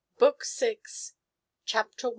BOOK VI. Chapter i.